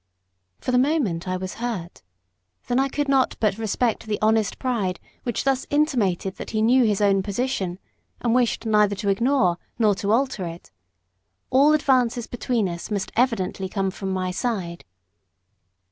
For the moment I was hurt; then I could not but respect the honest pride which thus intimated that he knew his own position, and wished neither to ignore nor to alter it; all advances between us must evidently come from my side.